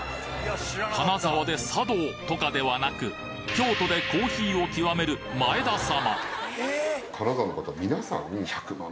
金沢で茶道とかではなく京都でコーヒーを極める前田様